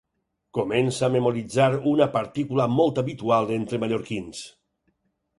Comença a memoritzar una partícula molt habitual entre mallorquins.